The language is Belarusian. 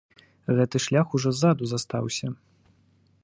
Гэты шлях ужо ззаду застаўся.